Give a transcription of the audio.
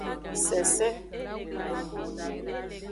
Sensen.